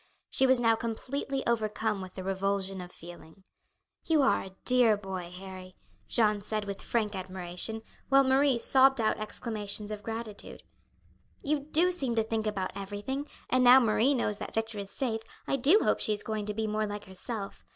She was now completely overcome with the revulsion of feeling. "You are a dear boy, Harry!" Jeanne said with frank admiration, while Marie sobbed out exclamations of gratitude. "You do seem to think about everything; and now Marie knows that Victor is safe, I do hope she is going to be more like herself.